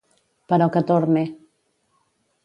Però que torne.